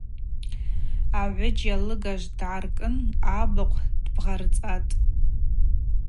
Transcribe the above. Агӏвыджь алыгажв дгӏаркӏын абыхъв дбгъарцӏатӏ.